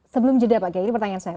sebelum jeda pak gaya ini pertanyaan saya